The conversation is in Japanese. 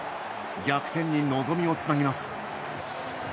逆転に望みをつなぎます。